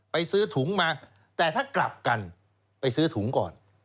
ซื้อถุงมาแต่ถ้ากลับกันไปซื้อถุงก่อน